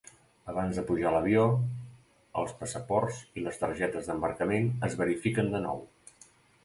Abans de pujar a l'avió, els passaports i les targetes d'embarcament es verifiquen de nou.